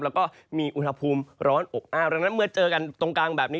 แล้วก็มีอุณหภูมิร้อนอบอ้าวดังนั้นเมื่อเจอกันตรงกลางแบบนี้